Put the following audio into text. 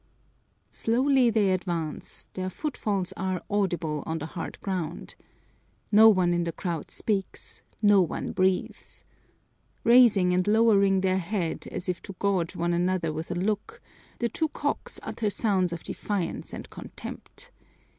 Slowly they advance, their footfalls are, audible on the hard ground. No one in the crowd speaks, no one breathes. Raising and lowering their heads as if to gauge one another with a look, the two cocks utter sounds of defiance and contempt.